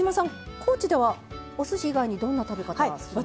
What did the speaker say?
高知ではおすし以外にどんな食べ方するんですか？